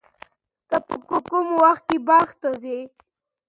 ته په کوم وخت کې باغ ته ځې؟